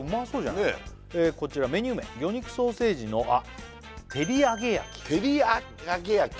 ねえこちらメニュー名魚肉ソーセージのあっ照り揚げ焼き照り揚げ焼き？